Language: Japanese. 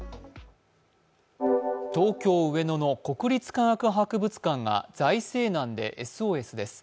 東京・上野の国立科学博物館が財政難でＳＯＳです。